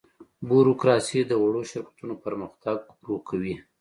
بوروکراسي د وړو شرکتونو پرمختګ ورو کوي.